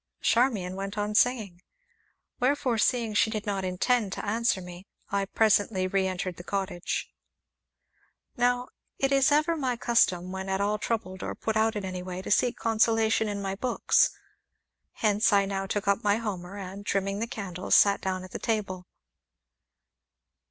Charmian went on singing. Wherefore, seeing she did not intend to answer me, I presently re entered the cottage. Now it is ever my custom, when at all troubled or put out in any way, to seek consolation in my books, hence, I now took up my Homer, and, trimming the candles, sat down at the table.